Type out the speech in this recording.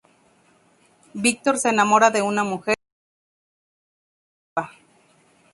Víctor se enamora de una mujer, y entonces la criatura escapa.